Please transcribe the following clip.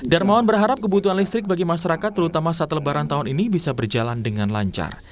darmawan berharap kebutuhan listrik bagi masyarakat terutama saat lebaran tahun ini bisa berjalan dengan lancar